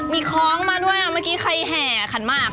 มีคล้องมาด้วยเมื่อกี้ใครแห่ขันมาก